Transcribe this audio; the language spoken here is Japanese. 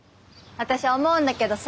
私思うんだけどさ。